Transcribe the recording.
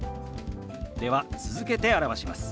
では続けて表します。